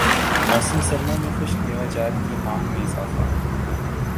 موسم سرما میں خشک میوہ جات کی مانگ میں اضافہ